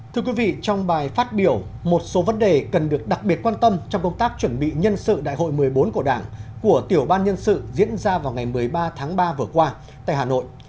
thưa quý vị trong bài phát biểu một số vấn đề cần được đặc biệt quan tâm trong công tác chuẩn bị nhân sự đại hội một mươi bốn của đảng của tiểu ban nhân sự diễn ra vào ngày một mươi ba tháng ba vừa qua tại hà nội